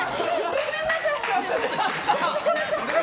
ごめんなさい。